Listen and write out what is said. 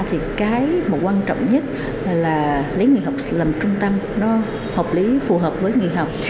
thì cái mà quan trọng nhất là lấy người học làm trung tâm nó hợp lý phù hợp với nghề học